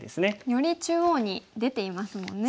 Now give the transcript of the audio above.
より中央に出ていますもんね。